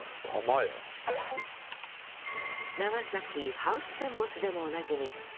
長崎ハウステンボスでもおなじみ